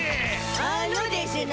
あのでしゅな。